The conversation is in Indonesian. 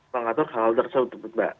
mengatur hal tersebut mbak